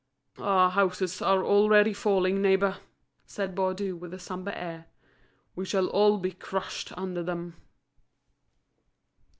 "Our houses are already falling, neighbour," said Baudu with a sombre air. "We shall all be crushed under them."